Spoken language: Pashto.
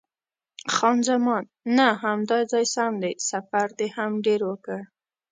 خان زمان: نه، همدا ځای سم دی، سفر دې هم ډېر وکړ.